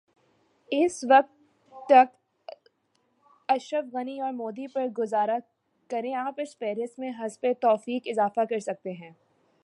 اس وقت تک اشرف غنی اورمودی پر گزارا کریں آپ اس فہرست میں حسب توفیق اضافہ کرسکتے ہیں۔